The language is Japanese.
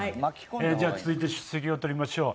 じゃあ続いて出席を取りましょう。